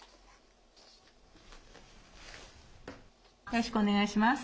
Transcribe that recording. よろしくお願いします。